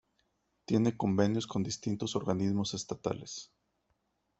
Tiene convenios con distintos organismos estatales.